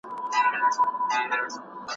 په مني کې اسمان په رښتیا ډېر شین ښکاري.